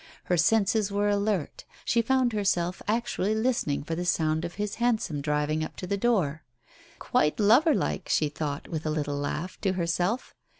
Her senses were alert, she found herself actually listening for the sound of his hansom driving up to the door. Quite loverlike, she thought, with a little laugh, to herself